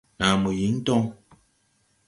Naa mo yíŋ tɔŋ.